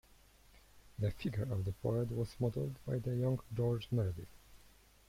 The figure of the poet was modelled by the young George Meredith.